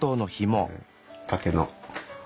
竹の。